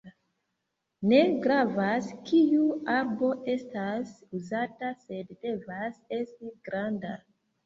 Ne gravas kiu arbo estas uzata, sed devas esti granda.